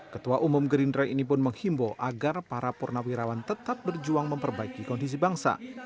ketua umum gerindra ini pun menghimbau agar para purnawirawan tetap berjuang memperbaiki kondisi bangsa